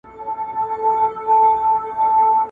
هره دښته يې ميوند دی ..